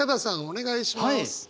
お願いします。